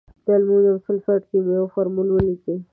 د المونیم سلفیټ کیمیاوي فورمول ولیکئ.